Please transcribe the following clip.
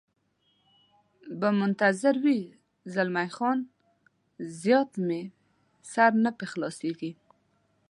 به منتظر وي، زلمی خان: زیات مې سر نه په خلاصېږي.